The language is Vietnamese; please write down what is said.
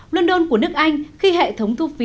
london của nước anh khi hệ thống thu phí